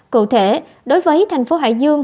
cụ thể đối với thành phố hải dương